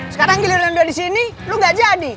sekarang giliran gue disini lo gak jadi